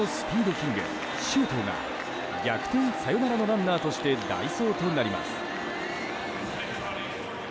キング周東が逆転サヨナラのランナーとして代走となります。